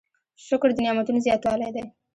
شکر د نعمتونو زیاتوالی دی.